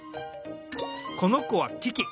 このこはキキ。